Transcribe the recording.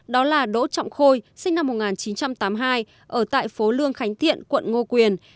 đó là đỗ trọng khôi sinh năm một nghìn chín trăm tám mươi hai ở tại phố lương khánh thiện quận ngô quyền